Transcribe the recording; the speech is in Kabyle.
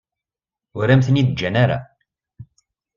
Ur am-ten-id-ǧǧan ara.